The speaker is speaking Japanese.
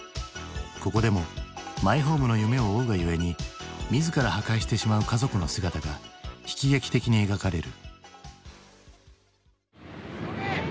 ここでもマイホームの夢を追うがゆえに自ら破壊してしまう家族の姿が悲喜劇的に描かれる。